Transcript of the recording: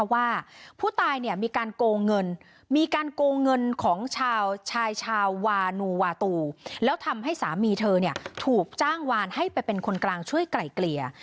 ว่าชายชาววาหนูวาตูแล้วทำให้สามีเธอถูกจ้างวานให้ไปเป็นคนกลางช่วยไกล่เกลียร์